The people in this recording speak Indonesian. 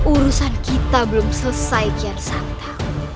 urusan kita belum selesai kian santam